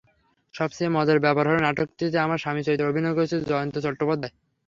সবচেয়ে মজার ব্যাপার হলো, নাটকটিতে আমার স্বামীর চরিত্রে অভিনয় করেছেন জয়ন্ত চট্টোপাধ্যায়।